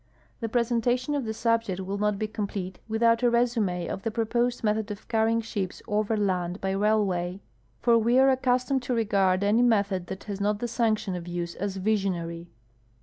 4'he presentation of the subject will not be coni})lete without a re.sume of the jjroposed method of carrying shij)S overland by railway, for avc are aecustomed to regard any method that has not the sanction of use as visionary.